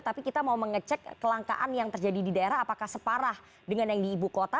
tapi kita mau mengecek kelangkaan yang terjadi di daerah apakah separah dengan yang di ibu kota